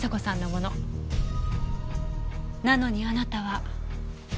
なのにあなたは。